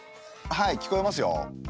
はい聞こえますよ。